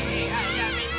やめて。